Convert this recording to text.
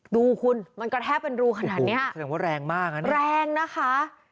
ดูคุณมันกระแทกเป็นรูขนาดเนี้ยแสดงว่าแรงมากนะแรงนะคะ